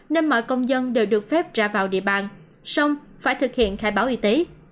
nên mọi công dân đều được phép ra vào địa bàn xong phải thực hiện khai báo y tế